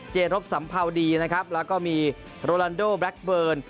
เจนรบสำเภาดีและก็มีโรลานโดแบล็กเบิ้ล